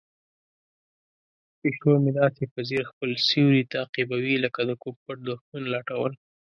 پیشو مې داسې په ځیر خپل سیوری تعقیبوي لکه د کوم پټ دښمن لټول.